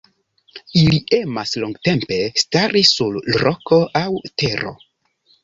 Ili emas longtempe stari sur roko aŭ tero.